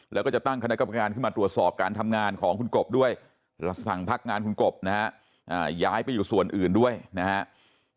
แล้วก็จะตั้งคณะกรรมการขึ้นมาตรวจสอบการทำงานของคุณกบด้วยแล้วสั่งพักงานคุณกบนะฮะย้ายไปอยู่ส่วนอื่นด้วยนะครับ